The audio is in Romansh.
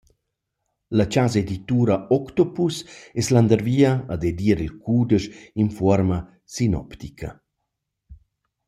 La chasa editura Octopus es landervia ad edir il cudesch in fuorma sinoptica.